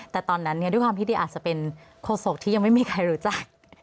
แต่ตอนนั้นด้วยความที่ดีอาจจะเป็นโฆษกที่ยังไม่มีใครรู้จัก